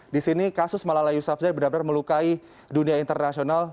di sini kasus malala yusafzair benar benar melukai dunia internasional